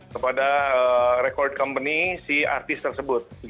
kepada record company si artis tersebut